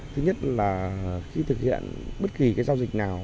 thứ nhất là khi thực hiện bất kỳ cái giao dịch nào